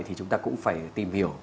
thì chúng ta cũng phải tìm hiểu